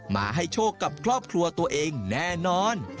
มาให้โชคกับครอบครัวตัวเองแน่นอน